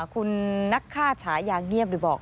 คุณนักฆ่าฉายางเงียบหรือบอก